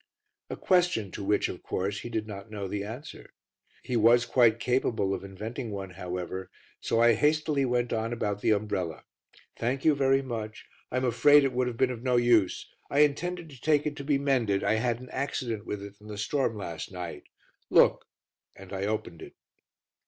a question to which, of course, he did not know the answer; he was quite capable of inventing one, however, so I hastily went on about the umbrella: "Thank you very much. I am afraid it would have been of no use. I intended to take it to be mended. I had an accident with it in the storm last night. Look," and I opened it.